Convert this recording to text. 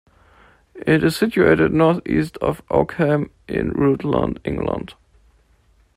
It is situated north east of Oakham, in Rutland, England.